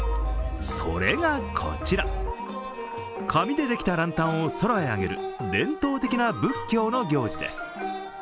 それがこちら、紙でできたランタンを空へ上げる伝統的な仏教の行事です。